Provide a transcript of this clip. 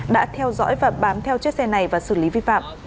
đã theo dõi và bám theo chiếc xe này và xử lý vi phạm